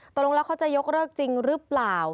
ตรงแล้วเขาจะยกเลิกจริงหรือเปล่า